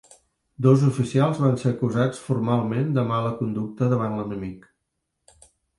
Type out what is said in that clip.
Dos oficials van ser acusats formalment de mala conducta davant l'enemic.